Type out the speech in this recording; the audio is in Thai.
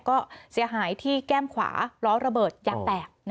ก็เสียหายที่แก้มขวาล้อระเบิดยับแตก